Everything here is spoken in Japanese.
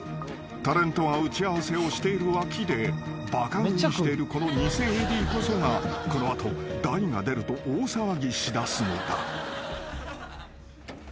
タレントが打ち合わせをしている脇でバカ食いしてるこの偽ＡＤこそがこの後大が出ると大騒ぎしだすのだ］